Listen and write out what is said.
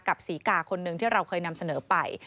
ศรีกาคนหนึ่งที่เราเคยนำเสนอไป